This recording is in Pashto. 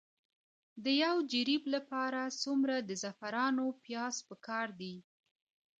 د یو جریب لپاره څومره د زعفرانو پیاز پکار دي؟